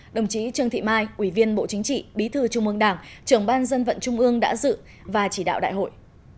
đồng chí trương thị mai ủy viên bộ chính trị bí thư trung ương đảng trưởng ban dân vận trung ương đã dự và chỉ đạo đại hội